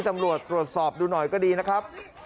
ตำรวจตรวจสอบดูหน่อยก็ดีนะครับ